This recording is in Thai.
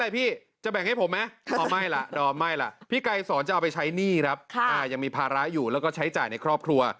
พาร้ายอยู่แล้วก็ใช้จ่ายในครอบครัว